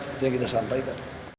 itu yang kita sampaikan